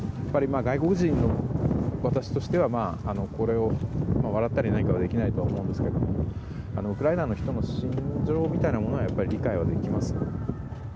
外国人の私としてはこれを笑ったり何かはできないと思うんですけどウクライナの人の心情みたいなものは理解できますよね。